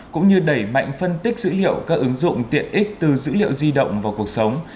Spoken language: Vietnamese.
cũng như đẩy mạnh phân tích dữ liệu các ứng dụng tiện ích từ dữ liệu di động vào cuộc sống